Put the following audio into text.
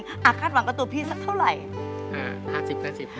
คาดหวังกับตัวพี่สักเท่าไหร่